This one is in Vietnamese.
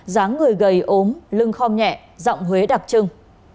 dáng người gầy ốm lưng khom nhẹ giọng huế đặc trưng